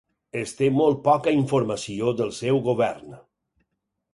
Es té molt poca informació del seu govern.